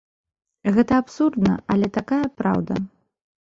Гэта абсурдна, але такая праўда.